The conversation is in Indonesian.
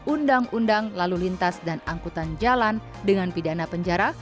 undang undang lalu lintas dan angkutan jalan dengan pidana penjara